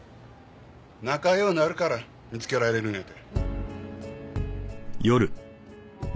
仲良うなるから見つけられるんやて。